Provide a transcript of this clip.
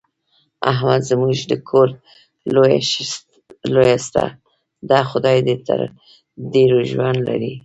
احمد زموږ د کور لویه سټه ده، خدای دې تر ډېرو ژوندی لري.